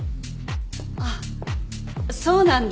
あっそうなんだ。